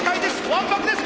わんぱくです！